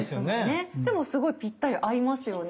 でもすごいぴったり合いますよね。